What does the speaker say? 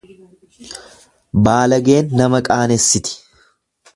Baalageen nama qaanessiti.